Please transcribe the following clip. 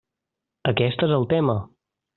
Aquest és el tema.